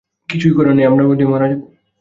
কিছুই করার নেই, আমরা মারা যাবো।